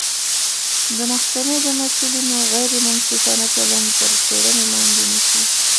د محکمې د مسوولینو غیر منصفانه چلند تر څیړنې لاندې نیسي